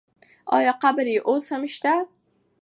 آیا قبر یې اوس هم شته؟